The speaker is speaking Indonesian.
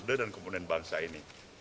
dan kemudian bangsa ini